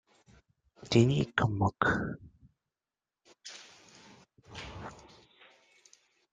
Ce dernier décide d'abandonner le nom de Dinosaur Jr.